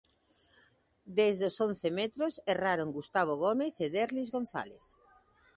Desde os once metros, erraron Gustavo Gómez e Derlís González.